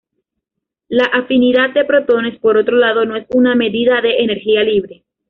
La afinidad de protones, por otro lado, no es una medida de energía libre.